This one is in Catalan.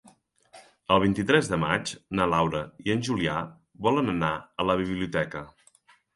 El vint-i-tres de maig na Laura i en Julià volen anar a la biblioteca.